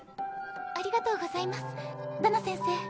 ありがとうございますダナ先生。